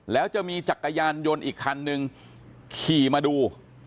แล้วจะมีจักรยานยนต์อีกคันนึงขี่มาดู